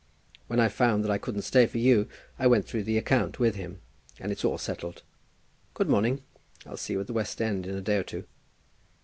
When I found that I couldn't stay for you, I went through the account with him, and it's all settled. Good morning. I'll see you at the West End in a day or two."